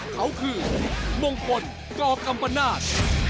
เขาคือมงคลกกัมปนาศ